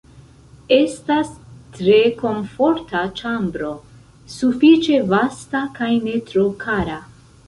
Estas tre komforta ĉambro, sufiĉe vasta kaj ne tro kara.